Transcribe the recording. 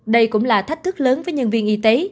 đây cũng là thách thức lớn với nhân viên y tế